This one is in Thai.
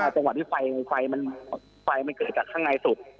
จังหวะที่ไฟมันเกิดจากข้างในสุด